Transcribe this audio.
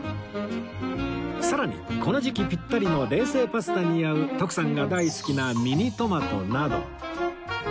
さらにこの時期ピッタリの冷製パスタに合う徳さんが大好きなミニトマトなど